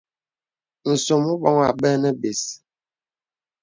Nsòm o bɔ̄ŋi abɛ nə̀ bès.